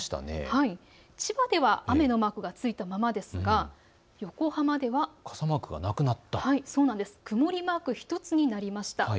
千葉では雨のマークが付いたままですが横浜では傘マークがなくなり曇りマーク１つになりました。